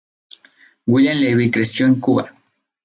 William Levy creció en Cuba.